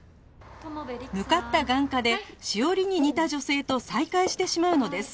向かった眼科で史織に似た女性と再会してしまうのです